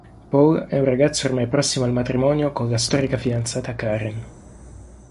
Paul è un ragazzo ormai prossimo al matrimonio con la storica fidanzata Karen.